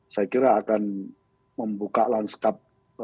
saya kira akan membuka lanskap